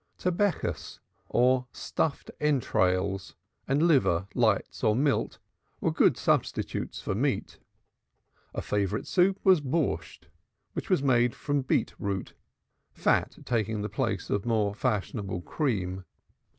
Tabechas, or stuffed entrails, and liver, lights or milt were good substitutes for meat. A favorite soup was Borsch, which was made with beet root, fat taking the place of the more fashionable cream.